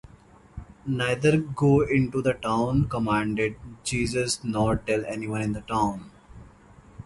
"Neither go into the town," commanded Jesus, "nor tell anyone in the town.